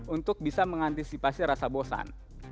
untuk bisa mengantisipasi rasa bosan